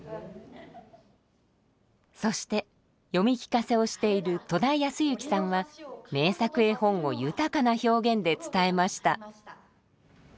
そして、読み聞かせをしている戸田康之さんは、名作絵本を豊かな表現で伝えました。